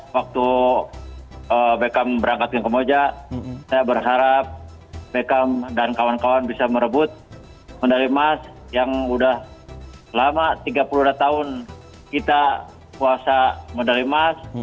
waktu beckham berangkat ke kamboja saya berharap beckham dan kawan kawan bisa merebut medali emas yang sudah lama tiga puluh dua tahun kita puasa medali emas